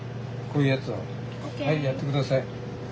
こういうやつをはいやって下さい。